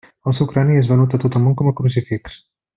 El seu crani és venut a tot el món com a crucifix.